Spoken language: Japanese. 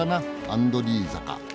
アンドリー坂。